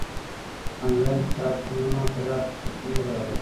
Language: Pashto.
انلاين کتابتونونه پراخې سرچينې برابروي.